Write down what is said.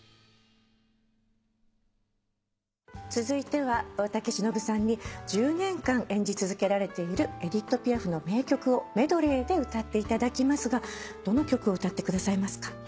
続いては大竹しのぶさんに１０年間演じ続けられているエディット・ピアフの名曲をメドレーで歌っていただきますがどの曲を歌ってくださいますか？